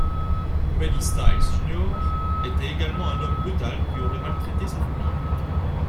Grady Stiles Jr était également un homme brutal qui aurait maltraité sa famille.